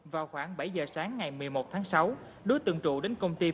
vào khoảng bảy giờ sáng ngày một mươi một tháng sáu đối tượng trụ đến công an nhân dân